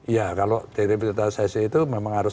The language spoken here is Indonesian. ya kalau direvitalisasi itu memang harus